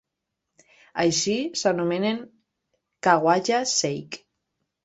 Així, s'anomenen "Khawaja Sheikh".